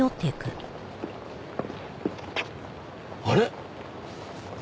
あれ？